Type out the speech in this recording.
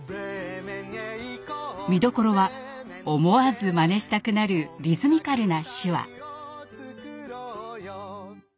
見どころは思わずまねしたくなるリズミカルな手話。